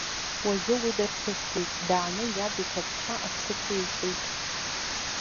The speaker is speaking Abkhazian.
Уажәы уи дарԥысхеит, дааны иаб иқьаԥҭа аԥсы ҭеиҵоит.